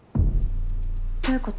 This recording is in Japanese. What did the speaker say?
どういうこと？